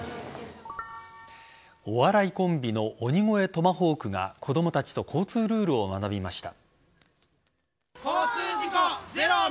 お笑いコンビの鬼越トマホークが子供たちと交通ルールを学びました。